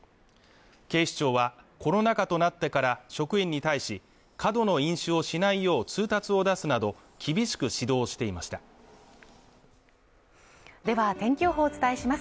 警視庁はコロナ禍となってから職員に対し過度の飲酒をしないよう通達を出すなど厳しく指導していましたでは天気予報をお伝えします